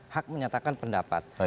hak menyatakan pendapat